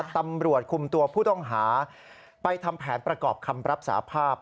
ตำรวจคุมตัวผู้ต้องหาไปทำแผนประกอบคำรับสาภาพ